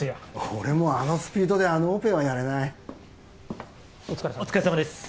俺もあのスピードであのオペはやれないお疲れさまです